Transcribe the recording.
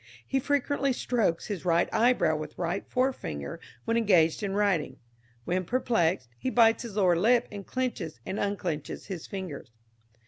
He frequently strokes his right eyebrow with right forefinger when engaged in writing; when perplexed, he bites his lower lip and clenches and unclenches his fingers."